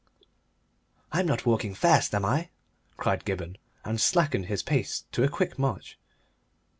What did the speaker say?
"I'm not walking fast, am I?" cried Gibberne, and slackened his pace to a quick march.